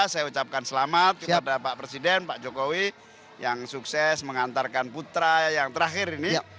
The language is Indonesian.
saya ucapkan selamat kepada pak presiden pak jokowi yang sukses mengantarkan putra yang terakhir ini